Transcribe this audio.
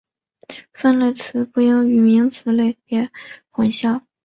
分类词不应与名词类别混淆。